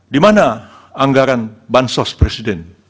di mana anggaran bansos presiden